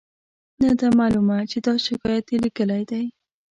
نه ده معلومه چې دا شکایت یې لیکلی دی.